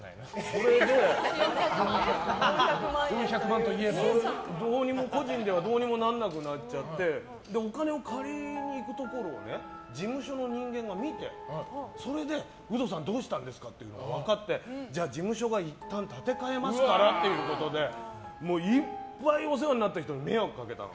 それで、個人ではどうにもならなくなっちゃってお金を借りに行くところを事務所の人間が見てそれで、ウドさんどうしたんですかって分かってじゃあ、事務所がいったん立て替えますからということでいっぱいお世話になった人に迷惑かけて。